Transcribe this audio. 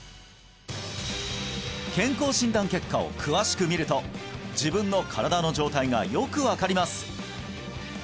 健康診断結果を詳しく見ると自分の身体の状態がよく分かります